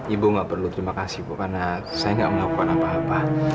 ibu gak perlu terima kasih bu karena saya nggak melakukan apa apa